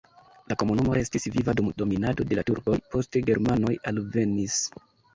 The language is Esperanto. La komunumo restis viva dum dominado de la turkoj, poste germanoj alvenis.